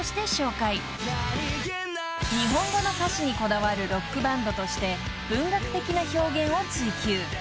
［日本語の歌詞にこだわるロックバンドとして文学的な表現を追求］